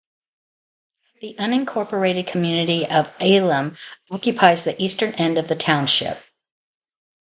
The unincorporated community of Elim occupies the eastern end of the township.